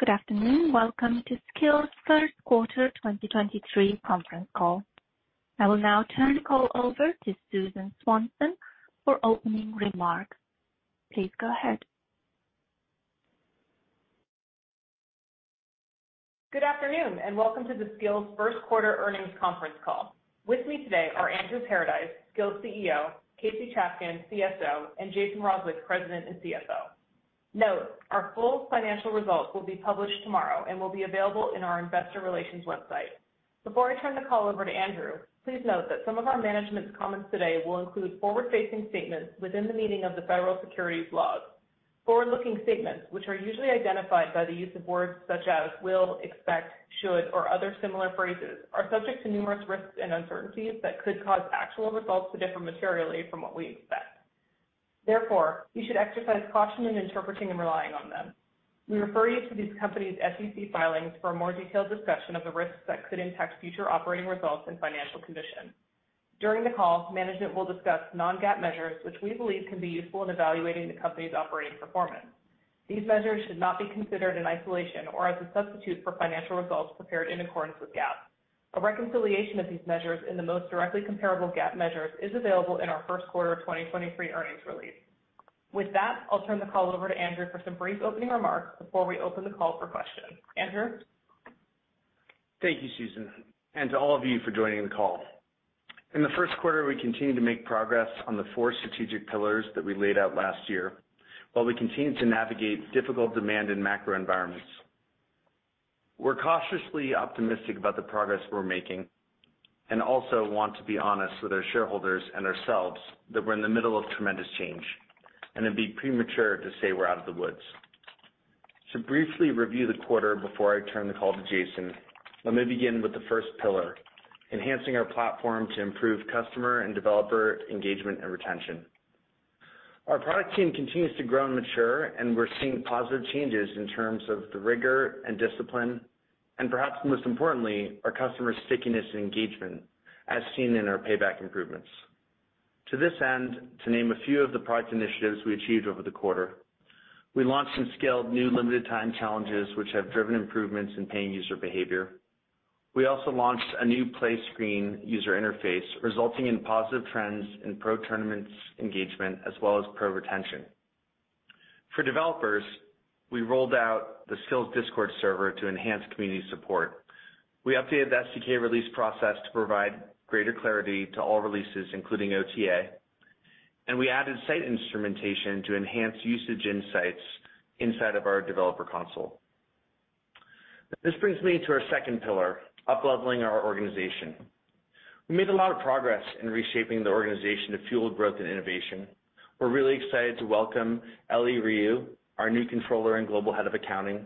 Good afternoon. Welcome to Skillz Q3 2023 conference call. I will now turn the call over to Susan Swanson for opening remarks. Please go ahead. Good afternoon, welcome to the Skillz Q1 earnings conference call. With me today are Andrew Paradise, Skillz CEO; Casey Chafkin, CSO; and Jason Roswig, President and CSO. Note, our full financial results will be published tomorrow and will be available in our investor relations website. Before I turn the call over to Andrew, please note that some of our management's comments today will include forward-facing statements within the meaning of the Federal Securities Laws. Forward-looking statements, which are usually identified by the use of words such as will, expect, should or other similar phrases, are subject to numerous risks and uncertainties that could cause actual results to differ materially from what we expect. Therefore, you should exercise caution in interpreting and relying on them. We refer you to this company's SEC filings for a more detailed discussion of the risks that could impact future operating results and financial condition. During the call, management will discuss non-GAAP measures, which we believe can be useful in evaluating the company's operating performance. These measures should not be considered in isolation or as a substitute for financial results prepared in accordance with GAAP. A reconciliation of these measures in the most directly comparable GAAP measures is available in our Q1 of 2023 earnings release. With that, I'll turn the call over to Andrew for some brief opening remarks before we open the call for questions. Andrew? Thank you, Susan, and to all of you for joining the call. In the Q1, we continued to make progress on the four strategic pillars that we laid out last year, while we continued to navigate difficult demand and macro environments. We're cautiously optimistic about the progress we're making and also want to be honest with our shareholders and ourselves that we're in the middle of tremendous change, and it'd be premature to say we're out of the woods. To briefly review the quarter before I turn the call to Jason, let me begin with the first pillar: enhancing our platform to improve customer and developer engagement and retention. Our product team continues to grow and mature, and we're seeing positive changes in terms of the rigor and discipline, and perhaps most importantly, our customer stickiness and engagement, as seen in our payback improvements. To this end, to name a few of the product initiatives we achieved over the quarter, we launched some scaled new limited time challenges which have driven improvements in paying user behavior. We also launched a new play screen user interface resulting in positive trends in pro tournaments engagement as well as pro retention. For developers, we rolled out the Skillz Discord server to enhance community support. We updated the SDK release process to provide greater clarity to all releases, including OTA. We added site instrumentation to enhance usage insights inside of our developer console. This brings me to our second pillar: upleveling our organization. We made a lot of progress in reshaping the organization to fuel growth and innovation. We're really excited to welcome Ellie Ryu, our new Controller and Global Head of Accounting.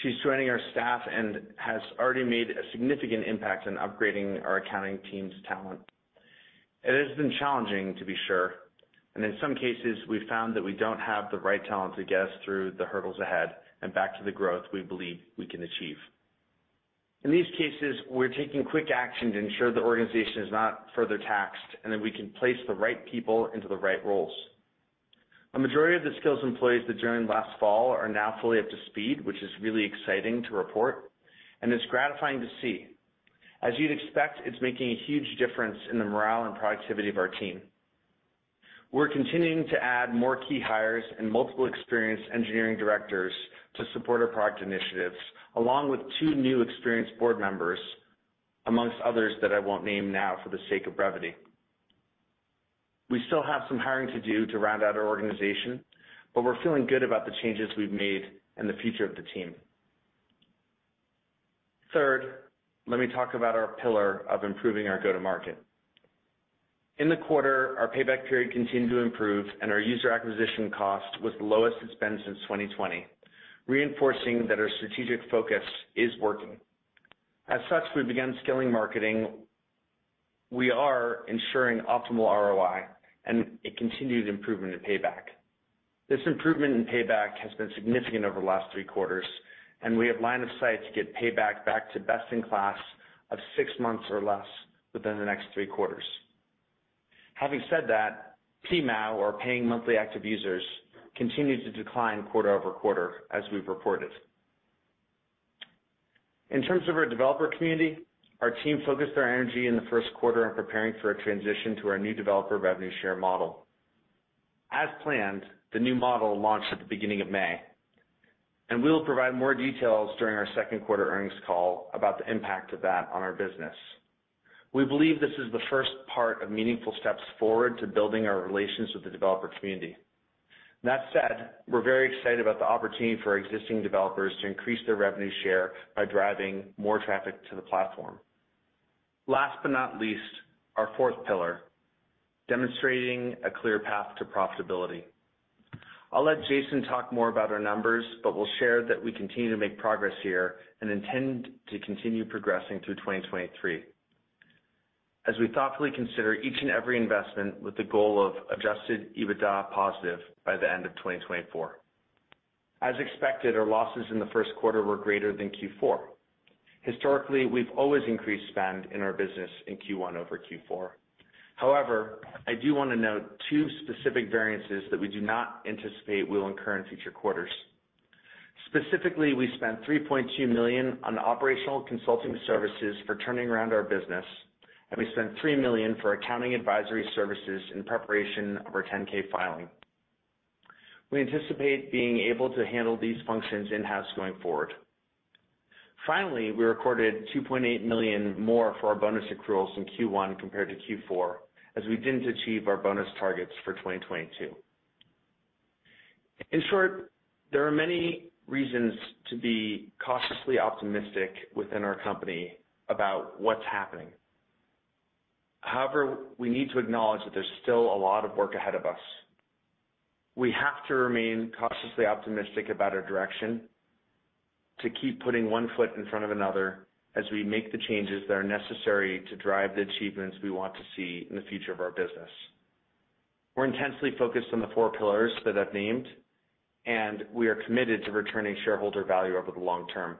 She's joining our staff and has already made a significant impact in upgrading our accounting team's talent. It has been challenging, to be sure, and in some cases, we found that we don't have the right talent to get us through the hurdles ahead and back to the growth we believe we can achieve. In these cases, we're taking quick action to ensure the organization is not further taxed, and that we can place the right people into the right roles. A majority of the Skillz employees that joined last fall are now fully up to speed, which is really exciting to report, and it's gratifying to see. As you'd expect, it's making a huge difference in the morale and productivity of our team. We're continuing to add more key hires and multiple experienced engineering directors to support our product initiatives, along with 2 new experienced board members, amongst others that I won't name now for the sake of brevity. We still have some hiring to do to round out our organization, but we're feeling good about the changes we've made and the future of the team. Third, let me talk about our pillar of improving our go-to-market. In the quarter, our payback period continued to improve, and our user acquisition cost was the lowest it's been since 2020, reinforcing that our strategic focus is working. As such, we began scaling marketing. We are ensuring optimal ROI and a continued improvement in payback. This improvement in payback has been significant over the last three quarters. We have line of sight to get payback back to best in class of six months or less within the next three quarters. Having said that, PMAU, or paying monthly active users, continued to decline quarter-over-quarter as we've reported. In terms of our developer community, our team focused their energy in the Q1 on preparing for a transition to our new developer revenue share model. As planned, the new model launched at the beginning of May. We'll provide more details during our second quarter earnings call about the impact of that on our business. We believe this is the first part of meaningful steps forward to building our relations with the developer community. We're very excited about the opportunity for our existing developers to increase their revenue share by driving more traffic to the platform. Last but not least, our fourth pillar: demonstrating a clear path to profitability. I'll let Jason talk more about our numbers, but we'll share that we continue to make progress here and intend to continue progressing through 2023 as we thoughtfully consider each and every investment with the goal of Adjusted EBITDA positive by the end of 2024. As expected, our losses in the Q1 were greater than Q4. Historically, we've always increased spend in our business in Q1 over Q4. I do wanna note 2 specific variances that we do not anticipate will incur in future quarters. Specifically, we spent $3.2 million on operational consulting services for turning around our business, and we spent $3 million for accounting advisory services in preparation of our 10-K filing. We anticipate being able to handle these functions in-house going forward. Finally, we recorded $2.8 million more for our bonus accruals in Q1 compared to Q4, as we didn't achieve our bonus targets for 2022. In short, there are many reasons to be cautiously optimistic within our company about what's happening. However, we need to acknowledge that there's still a lot of work ahead of us. We have to remain cautiously optimistic about our direction to keep putting one foot in front of another as we make the changes that are necessary to drive the achievements we want to see in the future of our business. We're intensely focused on the four pillars that I've named, and we are committed to returning shareholder value over the long term.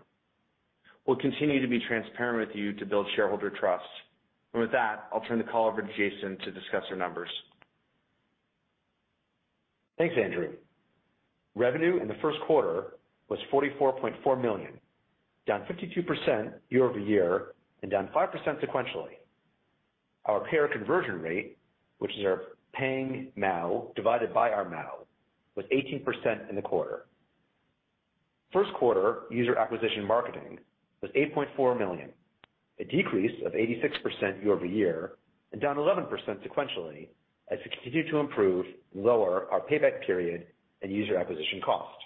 We'll continue to be transparent with you to build shareholder trust. With that, I'll turn the call over to Jason to discuss our numbers. Thanks, Andrew. Revenue in the Q1 was $44.4 million, down 52% year-over-year and down 5% sequentially. Our payer conversion rate, which is our paying MAU divided by our MAU, was 18% in the quarter. Q1 user acquisition marketing was $8.4 million, a decrease of 86% year-over-year and down 11% sequentially as we continue to improve and lower our payback period and user acquisition cost.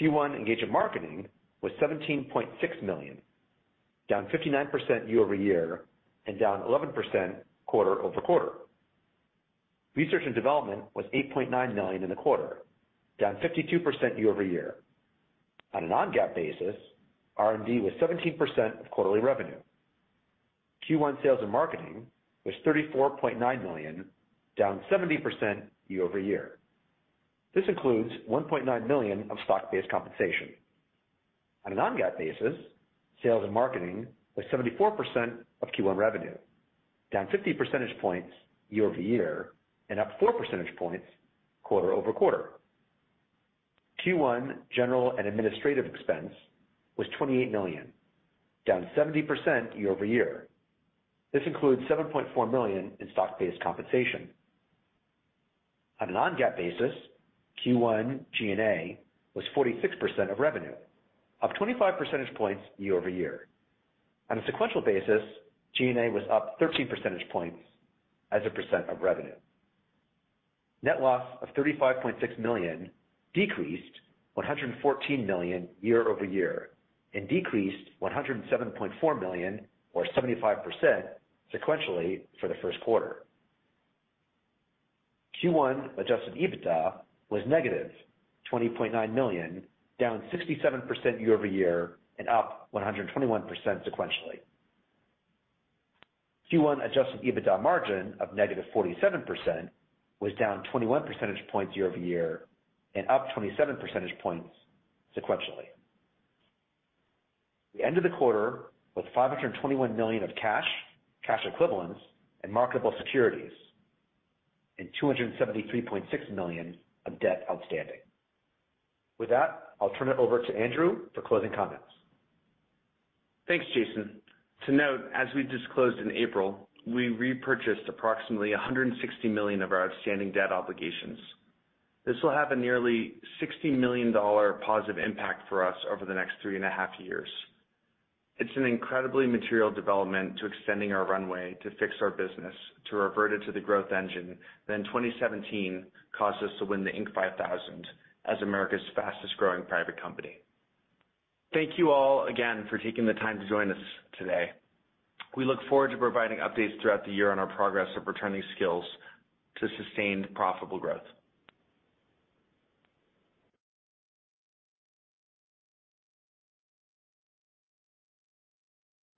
Q1 engagement marketing was $17.6 million, down 59% year-over-year and down 11% quarter-over-quarter. Research and development was $8.9 million in the quarter, down 52% year-over-year. On a non-GAAP basis, R&D was 17% of quarterly revenue. Q1 sales and marketing was $34.9 million, down 70% year-over-year. This includes $1.9 million of stock-based compensation. On a non-GAAP basis, sales and marketing was 74% of Q1 revenue, down 50 percentage points year-over-year and up 4 percentage points quarter-over-quarter. Q1 general and administrative expense was $28 million, down 70% year-over-year. This includes $7.4 million in stock-based compensation. On a non-GAAP basis, Q1 G&A was 46% of revenue, up 25 percentage points year-over-year. On a sequential basis, G&A was up 13 percentage points as a percent of revenue. Net loss of $35.6 million decreased $114 million year-over-year and decreased $107.4 million or 75% sequentially for the Q1. Q1 Adjusted EBITDA was negative $20.9 million, down 67% year-over-year and up 121% sequentially. Q1 Adjusted EBITDA margin of negative 47% was down 21 percentage points year-over-year and up 27 percentage points sequentially. We ended the quarter with $521 million of cash equivalents, and marketable securities and $273.6 million of debt outstanding. With that, I'll turn it over to Andrew for closing comments. Thanks, Jason. To note, as we disclosed in April, we repurchased approximately $160 million of our outstanding debt obligations. This will have a nearly $60 million positive impact for us over the next three and a half years. It's an incredibly material development to extending our runway to fix our business, to revert it to the growth engine that in 2017 caused us to win the Inc. 5000 as America's fastest growing private company. Thank you all again for taking the time to join us today. We look forward to providing updates throughout the year on our progress of returning Skillz to sustained profitable growth.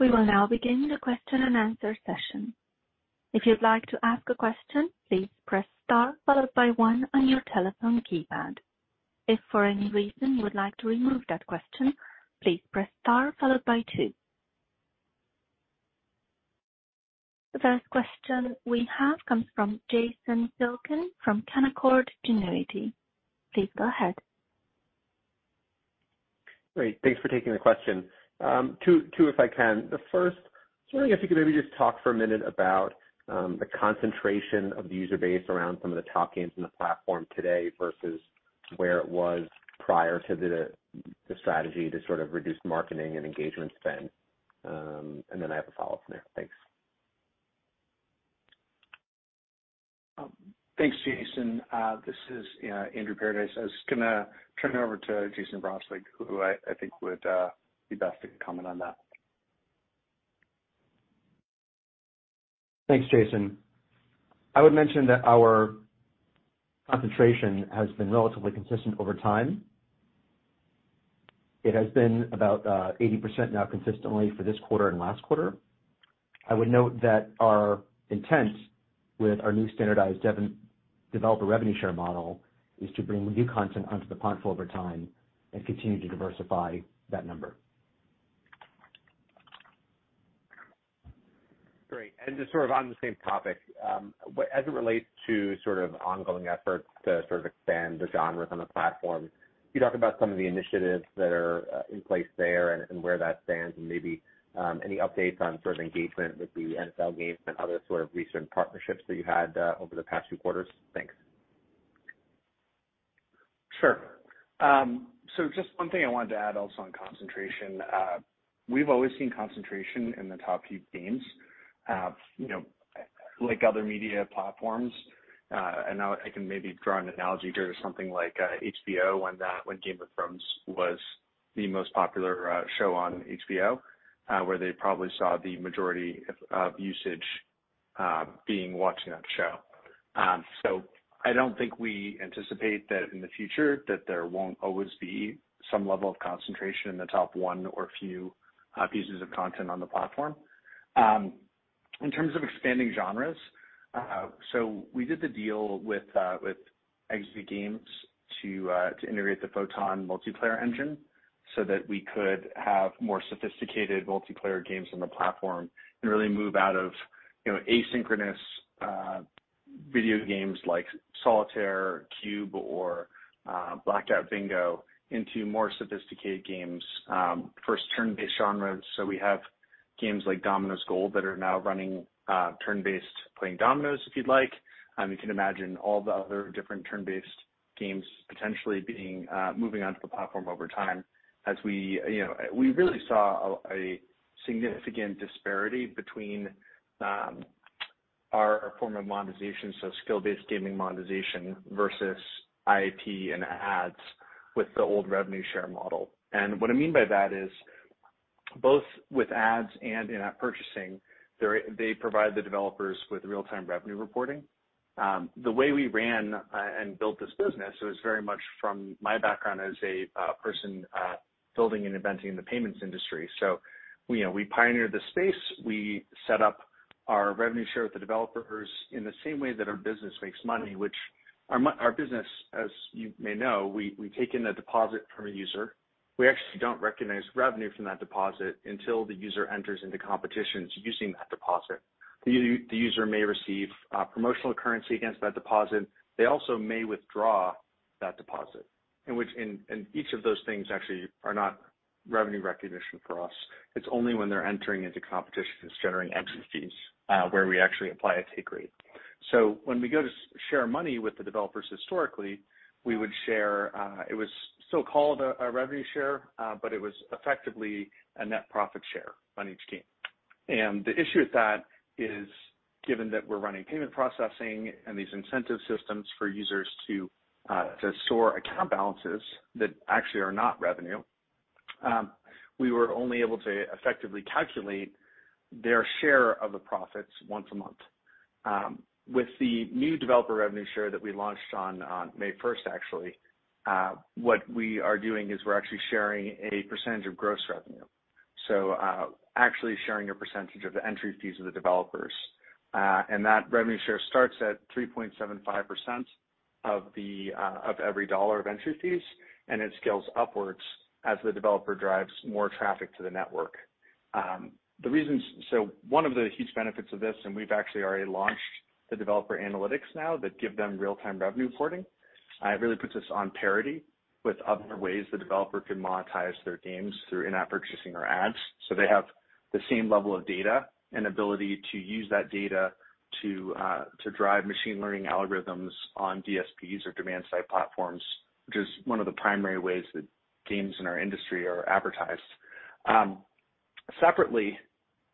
We will now begin the question and answer session. If you'd like to ask a question, please press star followed by one on your telephone keypad. If for any reason you would like to remove that question, please press star followed by two. The first question we have comes from Jason Tilchen from Canaccord Genuity. Please go ahead. Great. Thanks for taking the question. Two if I can. The first, just wondering if you could maybe just talk for a minute about the concentration of the user base around some of the top games in the platform today versus where it was prior to the strategy to sort of reduce marketing and engagement spend. Then I have a follow-up from there. Thanks. Thanks, Jason. This is Andrew Paradise. I was gonna turn it over to Jason Roswig, who I think would be best to comment on that. Thanks, Jason. I would mention that our concentration has been relatively consistent over time. It has been about 80% now consistently for this quarter and last quarter. I would note that our intent with our new standardized developer revenue share model is to bring new content onto the platform over time and continue to diversify that number. Great. Just sort of on the same topic, as it relates to sort of ongoing efforts to sort of expand the genres on the platform, can you talk about some of the initiatives that are in place there and where that stands and maybe any updates on sort of engagement with the NFL games and other sort of recent partnerships that you had over the past few quarters? Thanks. Sure. Just one thing I wanted to add also on concentration. We've always seen concentration in the top few games, you know, like other media platforms. Now I can maybe draw an analogy here to something like HBO when that, when Game of Thrones was the most popular show on HBO, where they probably saw the majority of usage being watching that show. I don't think we anticipate that in the future that there won't always be some level of concentration in the top one or few pieces of content on the platform. In terms of expanding genres. We did the deal with Exit Games to integrate the Photon multiplayer engine so that we could have more sophisticated multiplayer games on the platform and really move out of, you know, asynchronous video games like Solitaire Cube or Blackout Bingo into more sophisticated games. First turn-based genres. We have games like Dominoes Gold that are now running turn-based playing Dominoes, if you'd like. You can imagine all the other different turn-based games potentially being moving onto the platform over time. We, you know, we really saw a significant disparity between our form of monetization, so skill-based gaming monetization versus IAP and ads with the old revenue share model. What I mean by that is both with ads and in-app purchasing, they provide the developers with real-time revenue reporting. The way we ran and built this business was very much from my background as a person building and inventing in the payments industry. You know, we pioneered the space. We set up our revenue share with the developers in the same way that our business makes money, which our business, as you may know, we take in a deposit from a user. We actually don't recognize revenue from that deposit until the user enters into competitions using that deposit. The user may receive promotional currency against that deposit. They also may withdraw that deposit. Each of those things actually are not revenue recognition for us. It's only when they're entering into competitions, generating entry fees, where we actually apply a take rate. When we go to share money with the developers historically, we would share, it was so-called a revenue share, but it was effectively a net profit share on each game. The issue with that is, given that we're running payment processing and these incentive systems for users to store account balances that actually are not revenue, we were only able to effectively calculate their share of the profits once a month. With the new developer revenue share that we launched on May first, actually, what we are doing is we're actually sharing a percentage of gross revenue. Actually sharing a percentage of the entry fees of the developers. That revenue share starts at 3.75% of the of every $1 of entry fees, and it scales upwards as the developer drives more traffic to the network. One of the huge benefits of this, and we've actually already launched the developer analytics now that give them real-time revenue reporting, it really puts us on parity with other ways the developer can monetize their games through in-app purchasing or ads. They have the same level of data and ability to use that data to drive machine learning algorithms on DSPs or Demand-Side Platforms, which is one of the primary ways that games in our industry are advertised. Separately,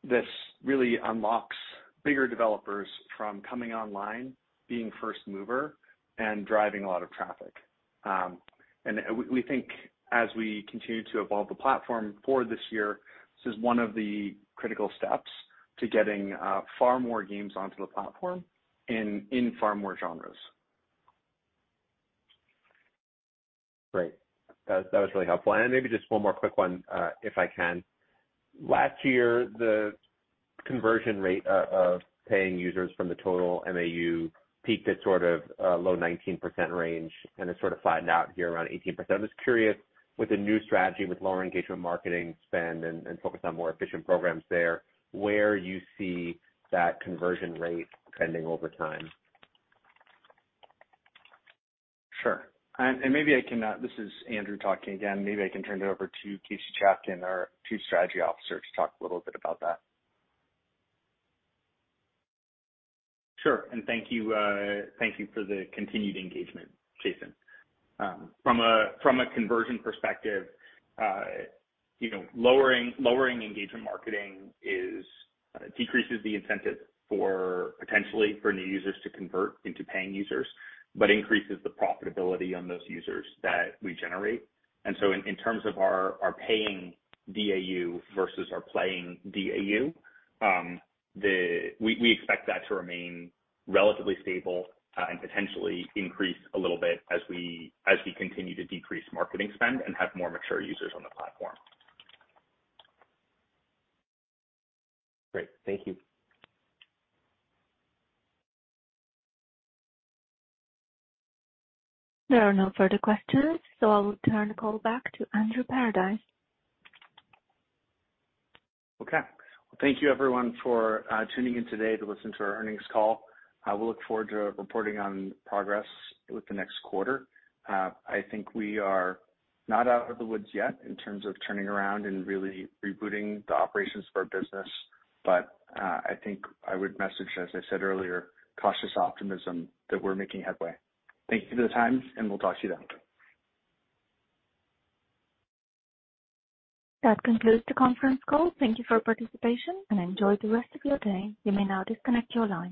this really unlocks bigger developers from coming online, being first mover and driving a lot of traffic. We think as we continue to evolve the platform for this year, this is one of the critical steps to getting far more games onto the platform in far more genres. Great. That was really helpful. Maybe just one more quick one, if I can. Last year, the conversion rate of paying users from the total MAU peaked at sort of low 19% range and has sort of flattened out here around 18%. I'm just curious, with the new strategy with lower engagement marketing spend and focus on more efficient programs there, where you see that conversion rate trending over time. Sure. This is Andrew talking again. Maybe I can turn it over to Casey Chafkin, our Chief Strategy Officer, to talk a little bit about that. Sure. Thank you for the continued engagement, Jason. From a conversion perspective, you know, lowering engagement marketing is decreases the incentive for potentially for new users to convert into paying users, but increases the profitability on those users that we generate. In terms of our paying DAU versus our playing DAU, we expect that to remain relatively stable and potentially increase a little bit as we continue to decrease marketing spend and have more mature users on the platform. Great. Thank you. There are no further questions, so I'll turn the call back to Andrew Paradise. Okay. Thank you everyone for tuning in today to listen to our earnings call. I will look forward to reporting on progress with the next quarter. I think we are not out of the woods yet in terms of turning around and really rebooting the operations of our business. I think I would message, as I said earlier, cautious optimism that we're making headway. Thank you for the time, and we'll talk to you then. That concludes the conference call. Thank you for your participation, and enjoy the rest of your day. You may now disconnect your line.